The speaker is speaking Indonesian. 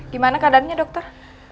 gimana keadaannya dokter